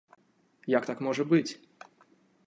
Як так можа быць?!